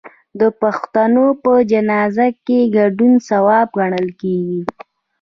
د پښتنو په جنازه کې ګډون ثواب ګڼل کیږي.